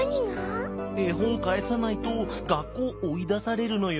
「えほんかえさないと学校おいだされるのよ」。